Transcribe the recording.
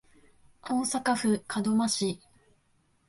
大阪府門真市